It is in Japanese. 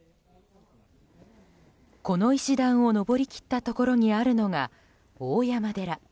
この石段を上り切ったところにあるのが大山寺。